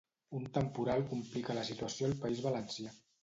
Un temporal complica la situació al País Valencià